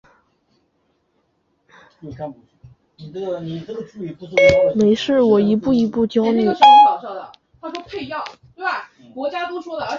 洋玉叶金花为茜草科玉叶金花属下的一个种。